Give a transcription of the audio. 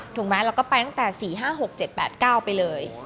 ถูกไหมเราก็ไปตั้งแต่๔๕๖๗๘๙ไปเลย